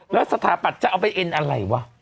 แล้วสถาปัตย์จะเอาไปเอ็นอะไรวะ